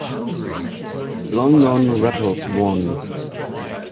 London rattles one.